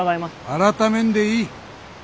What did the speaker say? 改めんでいい。